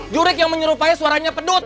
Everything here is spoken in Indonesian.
jurik yang menyerupai suaranya pedut